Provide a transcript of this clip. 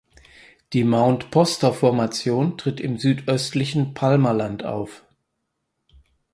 Die Mount Poster Formation tritt im südöstlichen Palmerland auf.